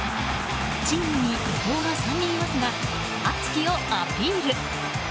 チームに「いとう」は３人いますが「敦樹」をアピール。